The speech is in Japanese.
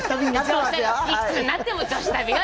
いくつになっても女子旅よ！